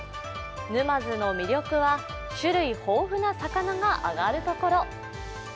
沼津の魅力は種類豊富な魚があがるところ。